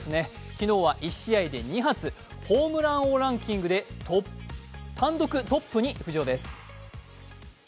昨日は１試合で２発、ホームラン王ランキングで単独トップに浮上です。